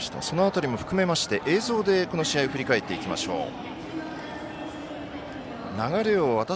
その辺りも含めまして映像でこの試合を振り返っていきましょう。